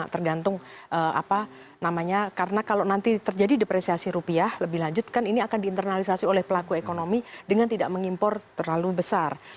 tergantung apa namanya karena kalau nanti terjadi depresiasi rupiah lebih lanjut kan ini akan diinternalisasi oleh pelaku ekonomi dengan tidak mengimpor terlalu besar